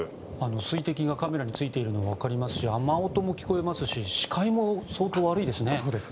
水滴がカメラについているのがわかりますし雨音も聞こえますし視界も相当悪いですね。